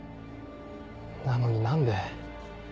なのに何で。